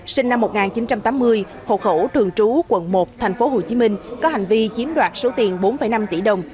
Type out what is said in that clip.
sinh năm một nghìn chín trăm tám mươi hộ khẩu thường trú quận một tp hcm có hành vi chiếm đoạt số tiền bốn năm tỷ đồng